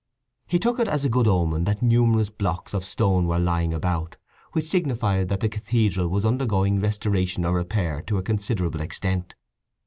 He took it as a good omen that numerous blocks of stone were lying about, which signified that the cathedral was undergoing restoration or repair to a considerable extent.